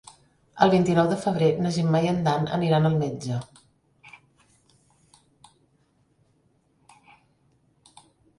El vint-i-nou de febrer na Gemma i en Dan aniran al metge.